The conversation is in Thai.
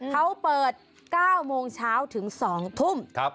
เขาเปิด๙โมงเช้าถึง๒ทุ่ม